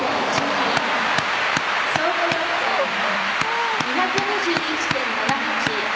２２１．７８。